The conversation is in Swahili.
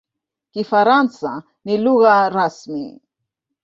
Kifaransa ni lugha rasmi.